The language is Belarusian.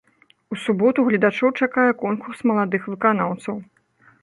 У суботу гледачоў чакае конкурс маладых выканаўцаў.